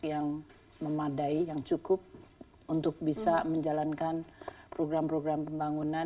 yang memadai yang cukup untuk bisa menjalankan program program pembangunan